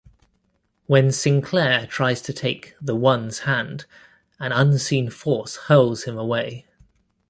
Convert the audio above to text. When Sinclair tries to take the One's hand, an unseen force hurls him away.